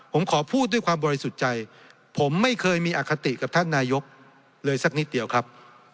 ผมขอพูดด้วยความบริสุทธิ์ใจผมไม่เคยมีอคติกับท่านนายกเลยสักนิดเดียวครับ